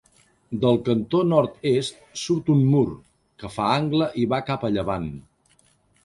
Del cantó nord-est surt un mur, que fa angle i va cap a llevant.